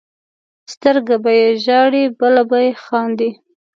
سترګه به یې ژاړي بله به یې خاندي.